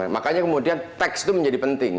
makanya kemudian teks itu menjadi penting